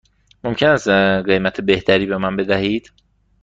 ممکن است قیمت بهتری به من بدهید؟